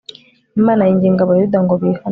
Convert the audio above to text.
imana yinginga abayuda ngo bihane